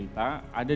ada di dalam ruangan